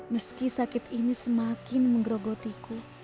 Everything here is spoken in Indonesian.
meski sakit ini semakin menggerogotiku